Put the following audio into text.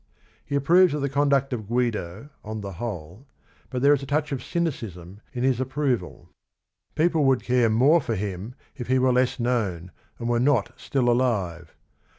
He approves of the conduct of Guido, on the whole, but there is a touch of cynicism in his approval. People would care more for him if he were less known, and were not still alive.